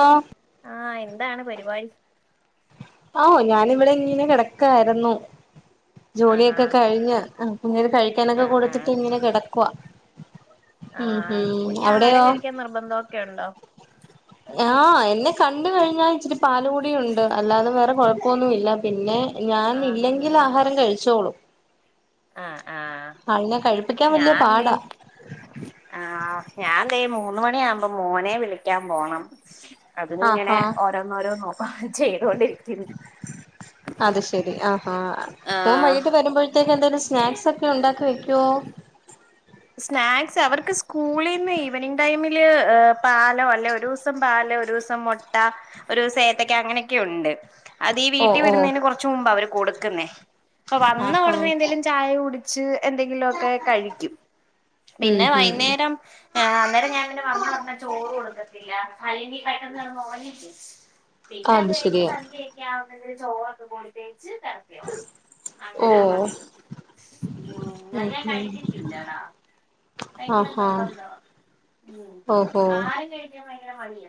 ആ ആ എന്താണ് പരിപാടി ഓ ഞാനിവിടെ ഇങ്ങനെ കിടക്കായിരുന്നു ആഹാ ജോലിയൊക്കെ കഴിഞ്ഞ് കുഞ്ഞിന് കഴിക്കാനൊക്കെ ആഹ് കൊടുത്തിട്ട് ഇങ്ങനെ കിടക്കുവാ ആ ഉം ഉം കുഞ്ഞു അവിടെയോ ആഹാരം കഴിക്കാൻ നിർബന്ധം ഒക്കെ ഉണ്ടോ ആഹ് എന്നെ കണ്ട് കഴിഞ്ഞാൽ ഇച്ചിരി പാലുകൂടിയുണ്ട് അല്ലാതെ വേറെ കുഴപ്പൊന്നുല്ല പിന്നെ ഞാൻ ആഹ് ഇല്ലെങ്കിൽ ആഹാരം കഴിച്ചോളും ആ ആ ആളിനെ കഴിപ്പിക്കാൻ വലിയ ഞാൻദേ പാടാ ആ ഞാൻ ദേ മൂന്ന് മണിയാകുമ്പോ മോനെ വിളിക്കാൻ പോണം അതിഇങ്ങനെ ആഹാ ഓരോന്നോരോന്നോ ചെയ്തോണ്ടിരിക്കുന്നു ആ മോൻ വൈകിട്ട് ആഹ് വരുമ്പോഴത്തേക്ക് എന്തേലും സ്നാക്സ് ഒക്കെ ഉണ്ടാക്കി വെക്കുവോ സ്നാക്സ് അവർക്ക് സ്കൂളിൽന്ന് ഈവനിംങ്ങ് ടൈമില് പാലോ അല്ലെ ഒരു ദിവസം പാലോ ഒരു ദിവസം മുട്ട ഒരു ദിവസം ഏത്തക്ക അങ്ങനെയൊക്കെ ഉണ്ട് അതീ ഈ ഓ വീട്ടി ഓ വിടുന്നെന് കൊറച്ച് മുമ്പ് അവര് കൊടുക്കുന്നേ അപ്പൊ വന്ന ആഹാ ഉടനെ എന്തേലും ചായ കുടി ച്ച് എന്തെങ്കിലുഒക്കെ കഴിക്കും ഉം പിന്നെ ഉം വൈകുന്നേരം അന്നേരം ഞാൻ ഇങ്ങനെ വന്ന ഉടനെ ചോറ് കൊടുക്കത്തില്ല ഹലിനി [unintelligible] പിന്നെ അത് അത്കഴിഞ്ഞ ശരിയാ സന്ധ്യകഴിഞ്ഞാ മിനി ചോറൊക്കെ കൊടുതേച്ച് കെടത്തി ഉറക്കും ഓ അങ്ങനാ പതിവ് ഉം അല്ലേ ഉം കഴിക്കത്തില്ല അതാ ഭയങ്കര ആഹാ നിർബന്ധവാ ഓഹോ ആഹാരം കഴിക്ക ഭയങ്കര മടിയ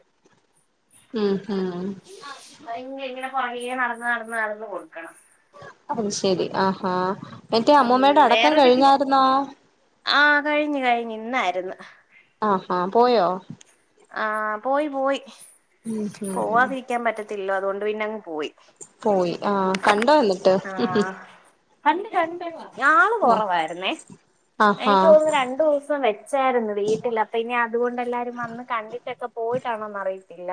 ഉം ഹം ഭയങ്കര ഇങ്ങനെ പുറകെ നടന്ന് നടന്ന് നടന്ന് കൊടുക്കണം അത് ശെരി ആഹാ മറ്റേ ഉം അമ്മൂമ്മയുടെ അടക്കം വേറോരിക്കി കഴിഞ്ഞായിരുന്നോ ആ കഴിഞ്ഞ് കഴിഞ്ഞ് ഇന്നാരുന്ന് ആഹാ പോയോ ആ പോയി പോയി ഉം ഹ് ത്തില്ല അതുകൊണ്ട് പിന്നങ്ങ് പോയി ആ കണ്ടോ വന്നിട്ട് ആഹ് പണ്ട് കണ്ട് ആള് കൊറവാരുന്നേ ആഹാ എനിക്ക് തോന്നുന്നു രണ്ടോസം വെച്ചായിരുന്നു വീട്ടിൽ അപ്പ ഇനി അതുകൊണ്ട് എല്ലാരും വന്ന് കണ്ടിട്ടൊക്കെ പോയിട്ടാണോന്ന് അറിയിത്തില്ല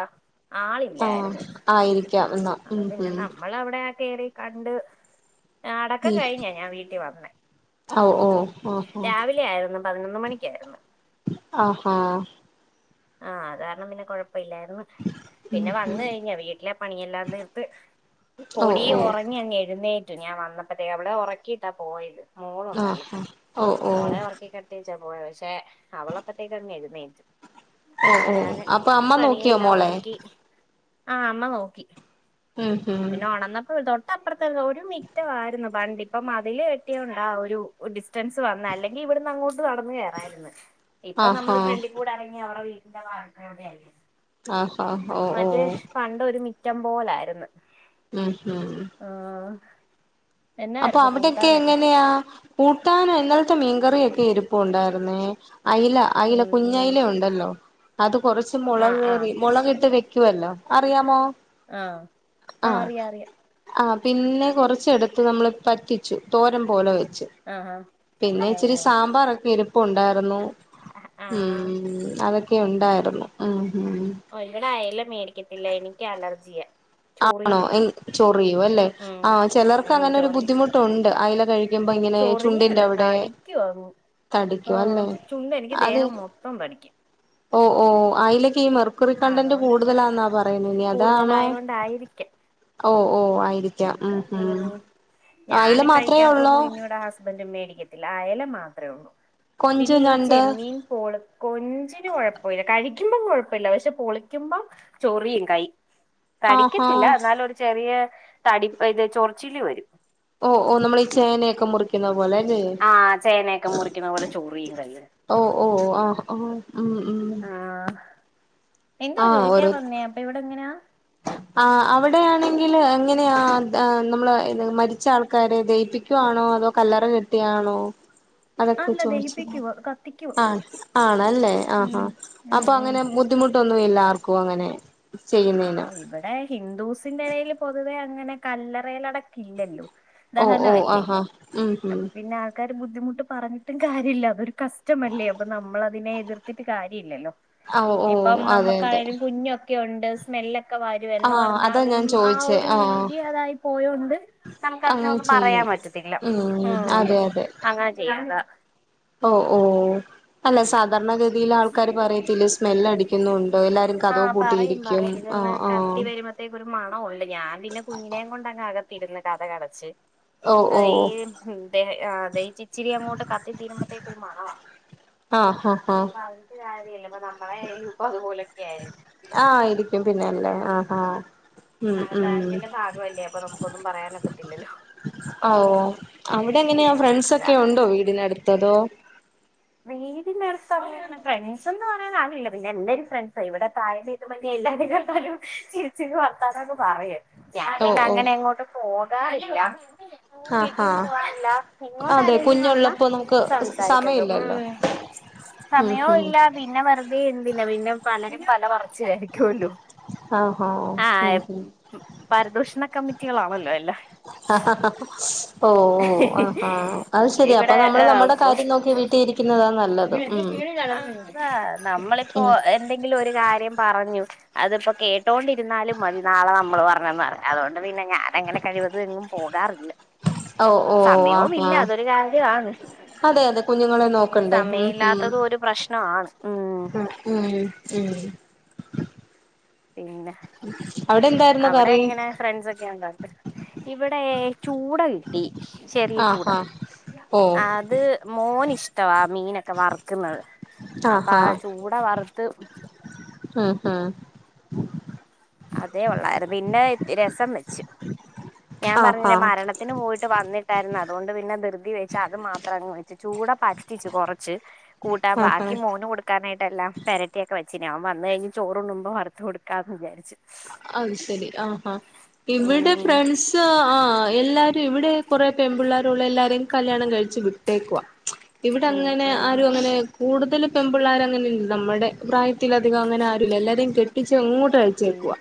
ആഹ് ആളില്ലായിരുന്നു ആയിരിക്കാം എന്നാ അത് ഉം പിന്നെ ഉം നമ്മൾ അവിടെ കേറി കണ്ട് അടക്കം ഉം കഴിഞ്ഞാ ഞാൻ വീട്ടി വന്നെ ഓ ഓ ഓ ഹ ആയിരുന്നു പതിനൊന്ന് മണിക്കായിരുന്ന് ആഹാ ആ അതാരണം പിന്നെ കുഴപ്പ പ്പഇല്ലായിരുന്നു പിന്നെ വന്ന കഴിഞ്ഞാ വീട്ടിലെ പണിയെല്ലാം തീർത്ത് ഓ പൊടി ഓ ഉറങ്ങി അങ് എഴുന്നേറ്റു ഞാൻ വന്നപ്പോഴത്തേക്ക് അവളെ ഒറക്കിയിട്ടാ പോയത് മോളുണ്ടല്ലോ ആഹാ ഓ ഓ മോളെ ഒറക്കിക്കെടാതിയേച്ച- പോയ പക്ഷെ അവളെപ്പത്തേക്കന്നായിന്നേ്റ്റ് ഓ ഓ അപ്പൊ അമ്മ നോക്കിയോ മോളെ ഒതുക്കി ആ അമ്മ നോക്കി ഉം ഉം പിന്നെ ഉണന്നപ്പോ തോട്ട് തൊട്ടപ്പുറത്ത ഒരു മിറ്റമായിരുന്നു പണ്ട് ഇപ്പം അതില് കെട്ടിയോണ്ട് ഒരു ഡിസ്റ്റൻസ് വന്ന അല്ലെങ്കിൽ- ഇവിടുന്ന് അങ്ങോട്ട് [unintelligible] നടന്ന കേയറായിരുന്നു ഇപ്പ ആഹാ നമ്മള് ഫ്രണ്ടിൽ കൂടെ ഇറങ്ങി അവരുടെ വീട്ടന്റെ വാതിക്കലുടെ ആയി ആഹാ ഓ ഓ മറ്റേ പണ്ട് ഒരു മിറ്റം പോലായിരുന്നു ഉം ഉം ആഹ് അപ്പൊ എന്നായിരുന്നു അവിടെക്കെ കൂട്ടാനൊക്കെ എങ്ങനെയാ കൂട്ടാനോ എന്നാ- ഇത്തെ മീൻകറൊക്കെ എരിപ്പ ഉണ്ടായിരുന്നേ അല അല ഉം ഉം കുഞ്ഞല ഉണ്ടല്ലോ അത് കൊറച്ച് ആഹ് ആഹ് മുളകറി മുളക് ഇട്ട് വെക്കുവല്ലോ അറിയാമോ ആ ആ ആഹ് അറിയാം അറിയാം ആഹ് പിന്നെ കൊറച്ചെടുത്ത് നമ്മള് പറ്റിച്ചു തോരം പോലെ വെച്ചു ആഹ് പിന്നെ ഇച്ചിരി ആഹ് സാമ്പാറൊക്കെ ഇരിപ്പയൊണ്ടായിരുന്നു ആഹ് ഉം അതൊക്കെ ഉണ്ടായിരുന്നു ഉം ഉം ഓ എന്റെടെ അയെല്ല മേടിക്കത്തില്ല എനിക്ക് അലർജിയ ആണോ എ ചോറിയോ അല്ലെ ഉം ആ ചിലർക്ക് ഉം അങ്ങനെ ഒരു ചൊറിയും ബുദ്ധിമുട്ടുണ്ട് അല കഴ ഇപ്പ ഇങ്ങനെ ചുണ്ടിന്റെ ചൊറിഞ്ഞല്ല അവിടെ തടിക്കും അങ്ങ് ആഹ് തടിക്കുംല്ലേ ചുണ്ട് എനിക്ക് അത് ദേഹം മൊത്തം തടിക്കും ഓ ഓ അലേക്കെ ഈ മെർക്കുറി കണ്ടന്റ് അതുകൊണ്ട് ഇവിടെ കൂടുതലാന്നാ പറയേ ഇനി അതാണോ കൂടുതലായോണ്ടായിരിക്കാം ഓ ഓ ആയിരിക്ക ക്ക ഹും ഉം ഉ അയില ഞാന് മാത്രമേ കഴിക്കാത്തോണ്ട് ഉള്ളൂ പിന്നെ ഇവിടെ ഹസ്ബൻഡ് [unintelligible] അയല മാത്രേ ഉള്ളൂ കൊഞ്ച് പിന്നെ ഈ ഞണ്ട് ചെമ്മീൻ പോൾ കൊഞ്ചിന കുഴപ്പമില്ല കഴി പിക്കുമ്പം കുഴപ്പമില്ല പക്ഷെ പൊളിക്കുമ്പോം ചോറിയും കൈ ആഹാ തടിക്കത്തില്ല എന്നാലും ഒരു ചെറിയ തടി ഇത് ചൊറച്ചില് വരും ഓ ഓ നമ്മൾ ഈ ചേനയൊക്കെ മുറിക്കുന്ന പോലെ അല്ലേ ആഹ് ചേനയൊക്കെ മുറിക്കണ പോലെ ചൊറിയും കൈയ്യ് ഓ ഓ ഓ ആ ആ ഉ ഉ ആഹ് എന്തോ ചോദിക്കാൻ വന്നേ അപ്പൊ ഇവിടെ എങ്ങനെയാ ആ അവിടെയാണെങ്കിൽ എങ്ങനെയ നമ്മള് മരിച്ച ആൾക്കാരെ ദഹപ്പിക്കു ആണോ അതോ കല്ലറ കെട്ടിയാണോ അതൊക്കെ അല്ല ചോദിച്ചത ദഹിപ്പിക്കുവോ കത്തിക്കുവോ ആ ആണല്ലേ ആ ഉം ഉം അപ്പൊ ഉം അങ്ങനെ ബുദ്ധിമുട്ടൊന്നും ഇല്ല ആർക്കും അങ്ങനെ ആ ചെയ്യുന്നതിന് ഇവിടെ ഹിന്ദൂസിന്റെ ഇടയില് പൊതുവേ അങ്ങനെ കല്ലറേലടക്ക് ഇല്ലല്ലോ ഓ ദഹന ഓ അല്ലേ ആഹാ ഉം ഉം അപ്പൊ പിന്നെ ആൾക്കാർ ബുദ്ധിമുട്ട് പറഞ്ഞിട്ടും കാര്യല്ല അതൊരു കസ്റ്റമല്ലേ അപ്പൊ നമ്മളതിനെ എതിർത്തിട്ട് കാര്യല്ലല്ലോ ഓ ഓ ഇപ്പം അതെ അതെ നമുക്കാണേിലും കുഞ്ഞൊക്കെ ഉണ്ട് സ്മെല്ലൊക്കെ ആ വരുംന്ന് അതാ പറഞ്ഞാലും ഞാൻ ആ ചോദിച്ചേ ഒരു രീതി അതായി പോയോണ്ട് നമുക്ക് അങ്ങനെ അതിനൊന്നും പറയാൻ ചെയ്യും പറ്റത്തില്ല ഉം അതെ അതെ അങ്ങനെ ചെയ്യ ഓ ഓ അല്ല സാധ സാധാരണ ഗഗതിയില് ആൾക്കാര് പറയത്തില്ലെ സ്മെല്ല് അടിക്കുന്നുണ്ട് എല്ലാരും കതക്‌ ആഹ് പറയും പൂട്ടിയിരിക്കും പറയും ഇതൊന്ന് ആഹ് ആഹ് കത്തി വരുമ്പഴത്തേക്ക് ഒരു മണോണ്ട് ഞാൻ പിന്നെ കുഞ്ഞിനെയും കൊണ്ടങ്ങ് അകത്ത് രുന്ന് കഥ കടച്ച് ഓ ഓ ഈ [unintelligible] അതേ ച ഇച്ചിരി അങ്ങോട്ട് കത്തിത്തീരുമ്പോഴത്തേക്കും ഒരു മണമാ ആ ആ ആ പിന്നെപ്പം നമ്മളെ ഈ ഗ്രൂപ്പ്‌ അതുപോലൊക്കെ ആയിരിക്കും ആഹ് ഇരിക്കും പിന്നെല്ലേ ആഹ് ആഹ് ഉം ഉം ആതാത്തിന്റെ ഭാഗംല്ലേ അപ്പൊ നമുക്കൊന്നും പറയാനൊക്കത്തില്ലല്ലോ ഓഹ് അവിടെ എങ്ങനെയ അതാ ഫ്രണ്ട്സൊക്കെ ഉണ്ടോ വീടിനടുത്ത് അതോ വീടിനടുത്തങ്ങനെ ഫ്രണ്ട്സെന്ന് പറയാനാരുവില്ല പിന്നെ എന്റെ ഫ്രണ്ട്സിവിടെ ചരിച്ചി വർത്താനങ്ങ് പറയ ഞാൻ ഓ ഓ പിന്നങ്ങനെ എങ്ങോട്ടും പോകാറില്ല ആഹ് ഹാ വീട്ടിലും പോവറില്ല ഇങ്ങോട്ട അതെ ആരെേലും വന്നാ കുഞ്ഞുള്ളപ്പോ നമുക്ക് സംസാരിക്കള്ളൂ ഉം സമയമില്ലല്ലോ ഉം സമയവും ഉം ഇല്ല പിന്നെ വെറുതെ എന്തിന പിന്നെ പലരും പല വർക്ക ആഹ് ഹാ ആ ഉം ഉം പരിദോഷണ കമ്മിറ്റി കുട്ടികളാണല്ലോ അല്ലാ ആ ഓ ഓ ആഹാ അത് ശരിയാ അപ്പൊ ഇവിടെ നമ്മള് ആഹ് നമ്മള്ടെ പോ കാര്യം നോക്കി വീട്ടിലിരി നമ്മളിപ്പോ ഉം എന്തെങ്കിലും ഒരു കാര്യം പറ പറഞ്ഞു അതിപ്പോ കേട്ടോണ്ടിരുന്നാലും മതി നാളെ നമ്മള് പറഞ്ഞന്ന് അതുകൊണ്ട് പിന്നെ ഞാനങ്ങനെ കഴിവത എങ്ങും പോകാറില്ല ഓ ഓ ആ സമയവും ആ ഇല്ല അതൊരു കാര്യാണ് അതെ അതെ കുഞ്ഞുങ്ങളെ നോക്കണ്ടേ ഉം സമയില്ലാത്തതും ഉം ഒരു പ്രശ്നവാണ് ഉം [unintelligible] പിന്നെ അവിടെ എന്തായിരുന്നു അവിടെ കറി എങ്ങനെ ഫ്രണ്ട്സൊക്കെയുണ്ടോ ഇവിടെ ചൂട കിട്ടി ചെറിയ ചൂടാ ആഹാ ഓ അത് മോനിഷ് ടവാ മീനൊക്കെ വറുക്കുന്നത് അപ്പൊ ആഹാ ആ ചൂട വറുത്ത് ഉം ഹ അതേ ഉള്ളായിരുന്നു പിന്നെ രസം വെച്ച് ഞാൻ പറഞ്ഞില്ലേ ആഹാ മരണത്തിന് പോയിട്ട് വന്നി ട്ടായിരുന്നു അതുകൊണ്ട് പിന്നെ ധൃതി വെച്ച അത് മാത്രം അങ്ങ് വെച്ച് ചൂട പറ്റിച് കൊറച്ച് കൂട്ടാൻ ബാക്കി ആഹാ മോന് കൊടുക്കാനായിട്ട് ല്ലാം പെരട്ടിയൊക്കെ വച്ചിന് അവൻ വന്നു കഴിഞ്ഞ് ചോറുണ്ണുമ്പോ വറത്ത് കൊടുക്കാന്ന് വിചരിച്ചു. അത് ശരി ആഹാ ഇവിടെ ഉം ഫ്രണ്ട്സ് ആ എല്ലാരു ഇവിടെ കുറെ പേൺപിള്ളേരുള്ള എല്ലാ രും കല്യാണം കഴിച്ച് വിട്ടേക്കുവാ ഇവിടെ ഉം അങ്ങനെ ഉം ആരു അങ്ങനെ കൂടുതൽ പെൺപിള്ളേര ങ്ങനെ നമ്മുടെ പ്രായത്തിലധികം അങ്ങനെ ആരുല്ല്യ എല്ലാരെം കെട്ടിച്ച് അങ്ങോട്ട് ഉം പോവാ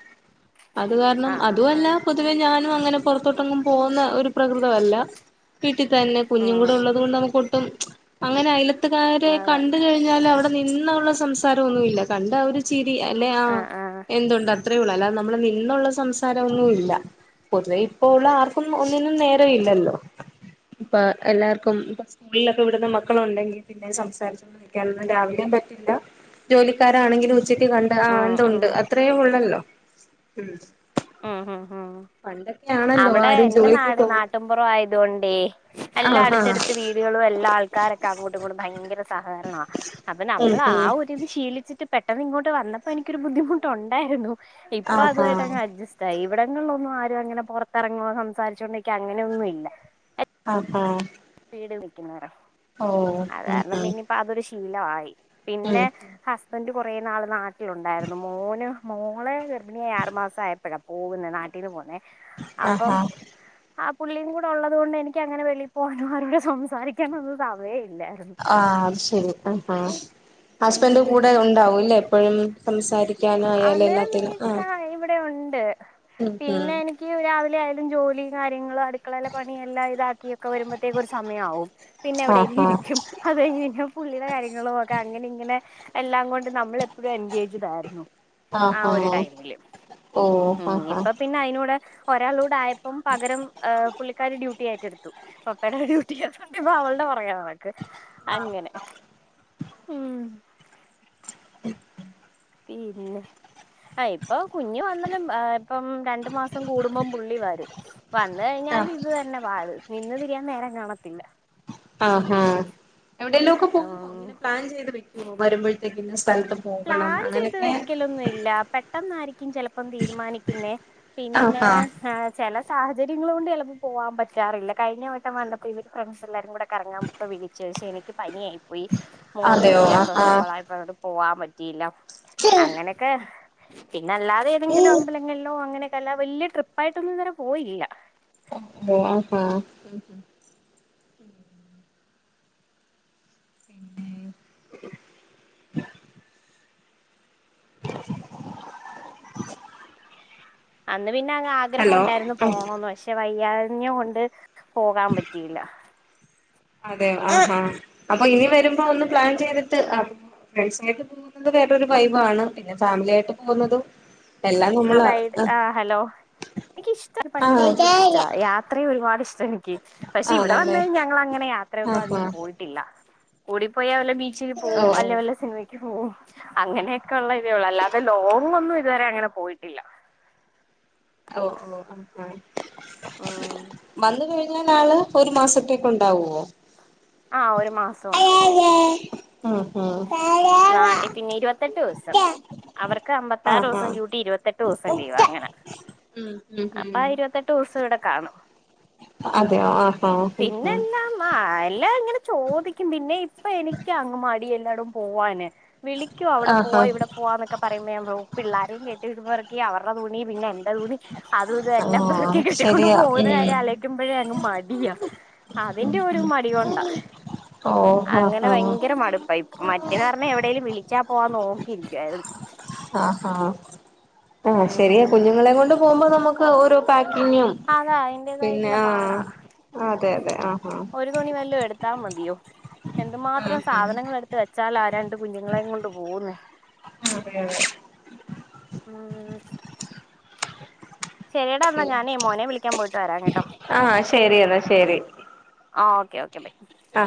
അതു കാരണം ആ ആ ആ അതവല്ല പൊതുവെ ഞാനും അങ്ങനെ പുറത്തോട്ടെങ്ങും പോവുന്ന ഒരു പ്രകൃതവല്ല വീട്ടിൽ തന്നെ കുഞ്ഞും കൂടെ ഉം ഉള്ളത് കൊണ്ട് നമുക്ക് ഒട്ടും അങ്ങനെ അയലത്തുകാരെ അതാ കണ്ട് കഴിഞ്ഞാൽ അവിടെ നിന്നുള്ള സംസാരം ഒന്നുവില്ല കണ്ട ഒരു ചിരി അല്ലെ ആ എന്തുണ്ട് അ അത്രേ ഉള്ളൂ അല്ലാതെ നമ്മള് നിന്നുള്ള സംസാരമൊന്നും ഇല്ല പൊതുവേ ഇപ്പോ ഉള്ള ആർക്കും ഒന്നിനും നേരവില്ലല്ലോ ഇപ്പോ എല്ലാർക്കും ഇപ്പം സ്കൂളിലൊക്കെ വിടുന്ന മക്കളുണ്ടെങ്കി പിന്നെ സംസാരിച്ചൊന്നും നിക്കാനൊന്നും രാവിലെ [unintelligible] ജോലിക്കാരാണെങ്കിലും ഉച്ചക്ക് കണ്ടാ ആ ഉം ഉം എന്തുണ്ട് അത്രേ ഉള്ളല്ലോ ഹം ഹം ഹ പണ്ടൊക്കെ ആണല്ലോ അവിടെ ആരും എന്റെ ജോലിക്ക് നാട് പോവാ നാട്ടുംപുറവായതുകൊണ്ടെ എല്ലാ ആഹാ അടുത്തടുത്ത് വീടുകളും എല്ലാ ആൾക്കാരൊക്കെ അങ്ങോട്ടും ഇങ്ങോട്ടും ഭയങ്കര സഹകരണവാ അപ്പൊ ഉം നമ്മള ആ ഉം ഒരിത് ശീലിച്ചിട്ട് പെട്ടെന്ന് ഇങ്ങോട്ട് വന്നപ്പോ എനിക്കൊരു ബുദ്ധിമുട്ടുണ്ടായിരുന്നു ഇപ്പോ ആഹാ അതുവായിട്ടങ്ങ് അഡ്ജസ്റ്റ ഇവിടങ്ങളിലൊന്നും ആരും അങ്ങനെ പുറത്തിറങ്ങുവ സംസാരിച്ചോണ്ടിക്ക അങ്ങനെയൊന്നുയില്ല ആഹ വീട് വിക്കുന്നോരാ ഉം അതുകാരണം ഉം പിന്നിപ്പോ അതൊരു ശീ ശീലവായി പിന്നെ ഉം ഹസ്ബൻഡ് കുറേ നാള് നാട്ടിലുണ്ടായിരുന്നു മോന് മോളെ ഗർഭിണിയായ ആറു മാസം ആയപ്പഴാ പോവുന്നെ നാട്ടീന്ന് പോവുന്നേ ആഹ ആ പുള്ളിയും കൂടെ ഉള്ളതുകൊണ്ട് എനിക്കങ്ങനെ വെളിയി പോവാനോ ആരോട് സംസാരിക്കാനൊന്നും സമയ ആ അത് ശരി ആ ആ ഹസ്ബൻഡ് ഉം കൂടെ ഉണ്ടാവൂല്ലേ എപ്പഴും സംസാരിക്കാനായാലും എല്ലാത്തിനും ആ ണ്ട് പിന്നെ എനിക്ക് രാവിലെ ആയാലും ജോലി കാര്യങ്ങളും അടുക്കളയില പണിയെല്ല ഇതാക്കിയൊക്കെ വ ക്ക് ഒരു സമയമാവും പിന്നെ എവിടെലും ആഹാ ഇരിക്കും അത് കഴിഞ്ഞ് പിന്നെ പുള്ളിയുടെ കാര്യങ്ങള അങ്ങനെ ഇങ്ങനെ എല്ലാം കൊണ്ട് നമ്മളെപ്പോഴും എൻഗേജടായിരുന്നു ആ ആഹാ ഒരു ടൈമില് ഓ ഉ ആഹാ ഇപ്പൊ പിന്നെ അതിനൂടെ ഒരാളൂട് ആയപ്പം പകരം പുള്ളിക്കാാര് ഡ്യൂട്ടി ഏറ്റെടുത്തു അ എവിടെ ഡ്യൂട്ടില്ലാതോണ്ട് ഇപ്പൊ അവളടെ പറയാ നടക്ക് അങ്ങനെ ഉം [unintelligible] പിന്നെ ആ ഇപ്പൊ കുഞ്ഞ് വന്നാലും ഇപ്പം രണ്ടു മാസം കൂടുമ്പം പുള്ളി വരും വന്ന് കഴിഞ്ഞാല് ആഹ് ഇത് തന്നെ പാട് നിന്ന് തിരിയാൻ നേരം കാണത്തില്ല ആഹാ എവിടെയെല്ലോ ഒക്കെ പോന്നോ ഉം ഇങ്ങനെ പ്ലാൻ ചെയ്ത് വെക്കുവോ വരുമ്പോഴത്തേക്ക ഇന്ന സ്ഥലത്ത് പോകണം പ്ലാൻ ചെയ്ത് അങ്ങനെയൊക്കെ വെക്കലൊന്നുംല്ല പെട്ടെന്നായിരിക്കും ചിലപ്പം തീരുമാനിക്കുന്നേ പിന്നെ ആഹാ ന്നെ ആഹ് ചല സാഹചര്യങ്ങള് കൊണ്ട് ചിലപ്പോൾ പോവാൻ പറ്റാറില്ല കഴിഞ്ഞവട്ടം വന്നപ്പോ ഇവര് ഫ്രണ്ട്സ് എല്ലാരും കൂടെ കറങ്ങാനോക്കെ വിളിച്ചു പക്ഷെ എനിക്ക് പനിയായി പോയി അ മോനും അതെയോ ഒരു ആഹ് ആഹ് ജലദോഷക്കയിട്ടഞ്ഞട്ട് പോവാൻ പറ്റിയില്ല അങ്ങനെയൊക്കെ പിന്നെ അല്ലാതെ ഏതെങ്കിലും അമ്പലങ്ങളിലോ അങ്ങനെയൊക്കെ അല്ല വലിയ ട്രിപ്പായിട്ടൊന്നും ഇതുവരെ പോയില്ല ഓ ഓഹ ആ പിന്നെ [inaudible] അന്ന് പിന്നെ അ ആഗ്രഹം ഹലോ ഉണ്ടായിരുന്നു ആഹ് പോണന്ന് പക്ഷെ വയ്യഞ്ഞഞ് കൊണ്ട് പോകാൻ പറ്റിയില്ല അതെയ ആ ആ അപ്പൊ ഇനി വരുമ്പോ ഒന്ന് പ്ലാൻ ചെയ്തിട്ട് അ ഫ്രണ്ട്സ ആയിട്ട് പോകുന്നത് വേറൊരു വൈവാണ് പിന്നെ ഫാമിലിയ ആയിട്ട് പോകുന്നതും എല്ലാം ഹ നമ്മൾ ഗെയ്ഡ് ആഹ് ആ ഹലോ എനിക്ക് ഇഷ്ട പണ്ടേ ഭയങ്കര ഇഷ്ട യാത്രയും ഒരുപാട്ഷ് നിക്ക് പക്ഷെ ആഹ് ഇവിടെ ആണല്ലേ വന്ന ഞങ്ങൾ അങ്ങനെ യാത്രയൊന്നും ആഹാ അധികം പോയിട്ടില്ല കൂടിപോയാൽ വ ബീച്ചിൽ ഓ പോകും അല്ല വല്ല സിനമ ക്കു പോകും അങ്ങനെയൊക്കെ ഉള്ള ഇതേ ഉള്ളൂ അല്ലാതെ ലോങ് ഒന്നും ഇതുവരെ അങ്ങനെ പോയി ട്ടില്ല ഓ ഓ ആഹ ആഹ് നാള് ഒരു മാസത്തേക്ക ഉണ്ടാവുമോ ആഹ ഒരു മാസമുണ്ട് ആഹഹ നാട്ടി പിന്നെ ഇരുപത്തെട്ട് ദിവസം അവർക്ക് അമ്പത്താറ് ദിവസം ഡ്യൂട്ടി ഇരുപത്തെട്ട് ദിവസം ലീവ് ആഹാ അങ്ങനെ ഉം ഉം അപ്പ ഇരുപത്തെട്ട് ദിവസം ഇവിടെ കാണും അതെയ പിന്നെല്ലാം ആ എല്ലാം ഇങ്ങനെ ചോദിക്കും പിന്നെ ഇപ്പൊ എനിക്ക് അങ്ങ്മാ ടി എല്ലാടും പോവാന് വിളിക്കോ അവിടെ ആഹാ പോവാ ഇവിടെ പോവാന്നൊക്കെ പറയുമ്പോപ്പ പിള്ളാരെയും കേട്ടിട്പറക്കി അവരുടെ തു പിന്നെ എന്റ തുണി അതും ഇതും എല്ലാം പറക്കി ആഹ് കെട്ടിക്കൊണ്ട് ശരിയാ പോകുന്ന ഉം കാര്യം അലയ്ക്കുമ്പോഴേ അങ്ങ് മടിയ അതിന്റെ ഒരു മ ടി കൊണ്ടാ ഓഹ് ആഹ് അങ്ങനെ ആഹ് ഭയങ്കര മടുപ്പ ഇപ്പോ മറ്റന്ന് പറഞ്ഞ എവിടേലും വിളി ച്ചാ പോവാൻ നോക്കിയിരിക്കായിരുന്നു ആഹാ ആഹ ശരിയാ ഉം കുഞ്ഞുങ്ങളെ കൊണ്ട് പോകുമ്പോ നമുക്ക് ഓരോ പ ക്കിങ്ങും അതാ പിന്നെ അതിന്റേതായിട്ടുള്ള പാടാ ആഹ അതെ അതെ ആ ആ ത്താ മതിയോ എന്തുമാത്രം ആഹ് സാധനങ്ങൾ എടുത്ത് വെ ച്ചാലാ രണ്ട് കുഞ്ഞുങ്ങളെ കൊണ്ട് പോവുന്നേ ആഹ് ആ ശെരിടാ എന്നാ ഞാനെ മോനെ വിളിക്കാൻ പോയിട്ട് വരാ കേട്ടോ ആഹ് ശരി എന്നാ ആ ഓക്കെ ഓക്കെ ബൈ. ആ